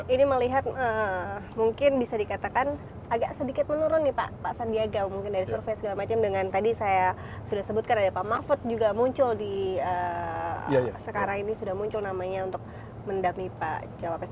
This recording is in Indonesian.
ini melihat mungkin bisa dikatakan agak sedikit menurun nih pak pak sandiaga mungkin dari survei segala macam dengan tadi saya sudah sebutkan ada pak mahfud juga muncul di sekarang ini sudah muncul namanya untuk mendampingi pak cawapres